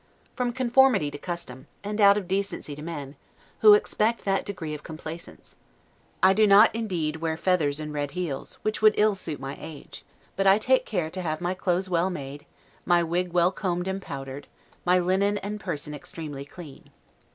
From conformity to custom, and out of decency to men, who expect that degree of complaisance. I do not, indeed, wear feathers and red heels, which would ill suit my age; but I take care to have my clothes well made, my wig well combed and powdered, my linen and person extremely clean.